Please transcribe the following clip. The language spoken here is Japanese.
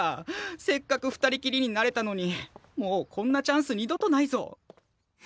せっかく二人きりになれたのにもうこんなチャンス二度とないぞ。